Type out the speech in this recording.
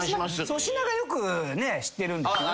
粗品がよくね知ってるんですよね。